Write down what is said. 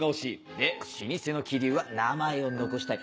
で老舗の桐生は名前を残したい。